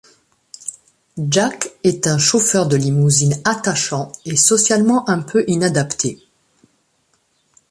Jack est un chauffeur de limousine attachant et socialement un peu inadapté.